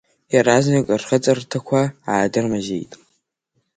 Иаразнак рхыҵакырҭақәа аадырмазеит.